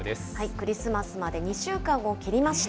クリスマスまで２週間を切りました。